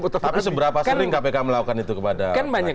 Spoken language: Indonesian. tapi seberapa sering kpk melakukan itu kepada kpk